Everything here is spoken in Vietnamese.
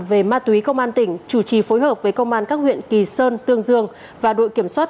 về ma túy công an tỉnh chủ trì phối hợp với công an các huyện kỳ sơn tương dương và đội kiểm soát